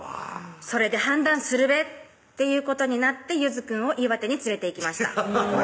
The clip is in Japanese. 「それで判断するべ」っていうことになってゆずくんを岩手に連れていきました